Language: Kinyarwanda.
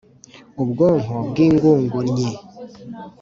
Ubwonko bw ingugunnyi